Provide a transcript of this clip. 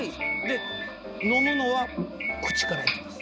で飲むのは口から行きます。